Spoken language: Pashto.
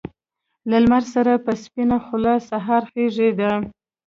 له لمر سره په سپينه خــــوله سهار غــــــــږېده